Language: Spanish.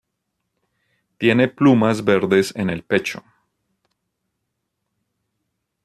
Tiene plumas verdes en el pecho.